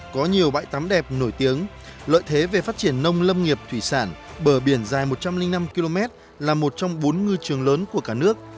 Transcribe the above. có nhiều bãi tắm đẹp nổi tiếng lợi thế về phát triển nông lâm nghiệp thủy sản bờ biển dài một trăm linh năm km là một trong bốn ngư trường lớn của cả nước